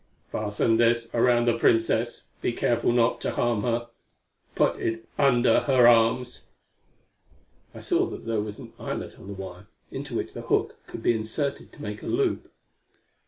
"Fasten this around the Princess. Be careful not to harm her. Put it under her arms." I saw that there was an eyelet on the wire into which the hook could be inserted to make a loop.